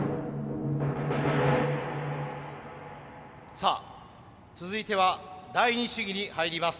さあ続いては第二試技に入ります。